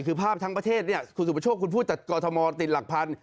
คือภาพทั้งประเทศเนี่ยคุณสุประโชคคุณพูดจากกรทมติดหลักพัน